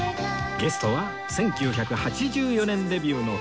ゲストは１９８４年デビューの菊池桃子さん